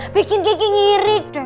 bikin kiki ngirit deh